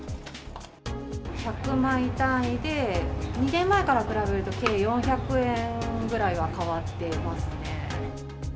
１００枚単位で２年前から比べると、計４００円ぐらいは変わっていますね。